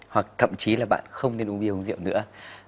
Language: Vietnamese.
hoặc thậm chí là bạn không nên uống bia uống rượu nữa